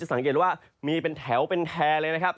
สังเกตว่ามีเป็นแถวเป็นแทเลยนะครับ